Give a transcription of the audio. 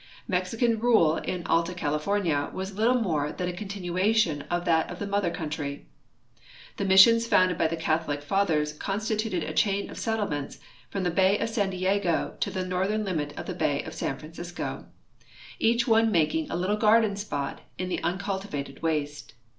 Mex ican rule in Alta California was little more than a continuation of that of the mother country. Tlie mi.ssions founded by the Catholic fatliers con.stituted a chain of settlements from the bay of San Diego to tlie northern limit of the bay of San Francisco, each one making a little garden si>ot in the uncultivated waste.